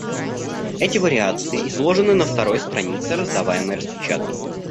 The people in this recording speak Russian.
Эти вариации изложены на второй странице раздаваемой распечатки.